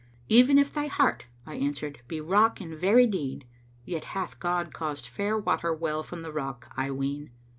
'Even if thy heart,' I answered, 'be rock in very deed, Yet hath God caused fair water well from the rock, I ween.'"